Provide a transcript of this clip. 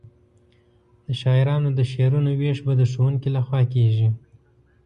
د شاعرانو د شعرونو وېش به د ښوونکي له خوا کیږي.